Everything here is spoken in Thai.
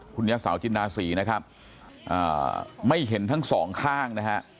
คุณยะสาวจินดาศรีนะครับไม่เห็นทั้งสองข้างนะฮะ